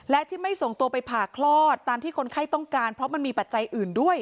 และที่ไม่ส่งตัวไปผ่าคลอดตามที่คนไข้ต้องการเพราะมันมีปัจจัยอื่นด้วย